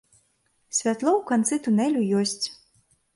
Святло ў канцы тунелю ёсць.